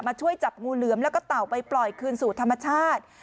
ช่วยจับงูเหลือมแล้วก็เต่าไปปล่อยคืนสู่ธรรมชาติ